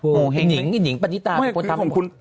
ผู้แห่งนิ้งปนิตาเอาเป็นคนทำคุณ